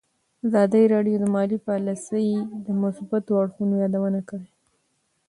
ازادي راډیو د مالي پالیسي د مثبتو اړخونو یادونه کړې.